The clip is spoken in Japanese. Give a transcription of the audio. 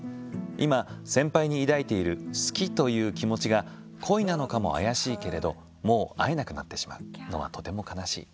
今、先輩に抱いている好きという気持ちが恋なのかも怪しいけれどもう会えなくなってしまうのはとても悲しい。